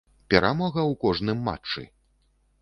Перамога ў кожным матчы.